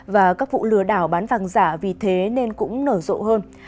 và các vụ lừa đảo bán vàng giả vì thế nên cũng nở rộ hơn